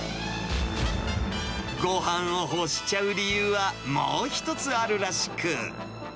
ごはんを欲しちゃう理由は、もう一つあるらしく。